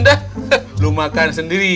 dah lu makan sendiri